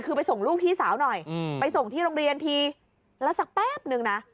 คือไปส่งลูกพี่สาวหน่อยไปส่งที่โรงเรียนทีแล้วสักแป๊บนึงนะ